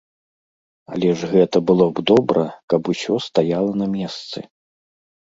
Але ж гэта было б добра, каб усё стаяла на месцы.